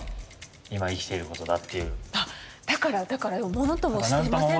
あだからだからものともしていませんっていうのは。